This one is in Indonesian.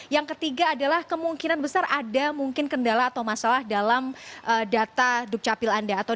yang ketiga adalah kemungkinan besar ada mungkin kendala atau masalah dalam data dukcapil anda